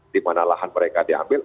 dimana lahan mereka diambil